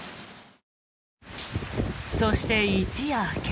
そして、一夜明け。